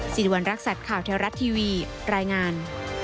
สิริวัณรักษัตริย์ข่าวแท้รัฐทีวีรายงาน